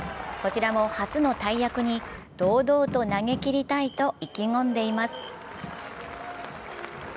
こちらも初の大役に堂々と投げきりたいと意気込んでいます。